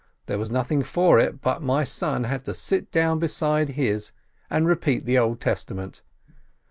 There was nothing for it but my son had to sit down beside his, and repeat the Old Testament.